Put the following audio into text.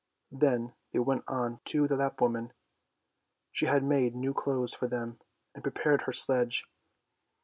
Then they went on to the Lapp woman; she had made new clothes for them and prepared her sledge.